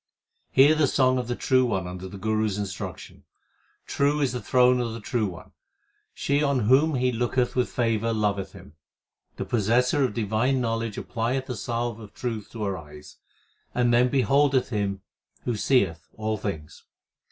Hear the song of the True One under the Guru s instruction. True is the throne of the True One ; she on whom He looketh with favour loveth Him. The possessor of divine knowledge applieth the salve of truth to her eyes, and then beholdeth Him who seeth all things.